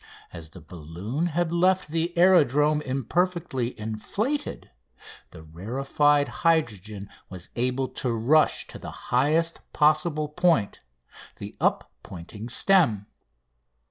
As the balloon had left the aerodrome imperfectly inflated the rarefied hydrogen was able to rush to the highest possible point the up pointing stem.